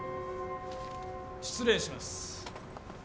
失礼します。